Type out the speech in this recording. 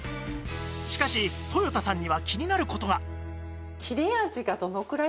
しかしとよたさんには気になる事が